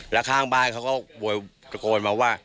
แล้วข้างบ้านเขาก็โวยตะโกนมาว่า